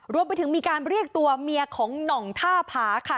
รวมไปถึงมีการเรียกตัวเมียของหน่องท่าผาค่ะ